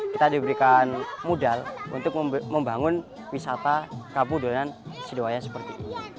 kita diberikan modal untuk membangun wisata kapu duluanan sidowayah seperti ini